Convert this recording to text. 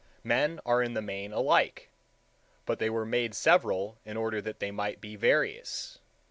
Men are in the main alike, but they were made several in order that they might be various.